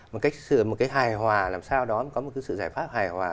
một cái hài hòa làm sao đó có một cái sự giải pháp hài hòa